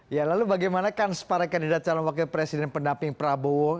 ya lalu bagaimana kans para kandidat calon wakil presiden pendamping prabowo